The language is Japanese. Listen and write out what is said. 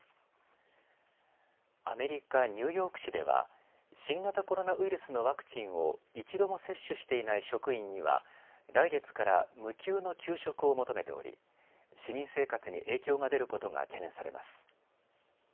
アメリカ・ニューヨーク市では、新型コロナウイルスのワクチンを１度も接種していない職員には来月から無給の休職を求めており市民生活に影響が出ることが懸念されます。